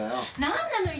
何なの？